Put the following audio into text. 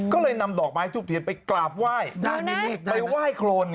ก็เลยนำดอกไม้ทูบเทียนไปกราบไหว้ไปไหว้โครน